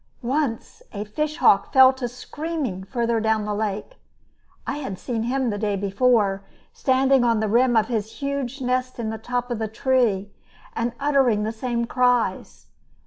Once a fish hawk fell to screaming farther down the lake. I had seen him the day before, standing on the rim of his huge nest in the top of a tree, and uttering the same cries.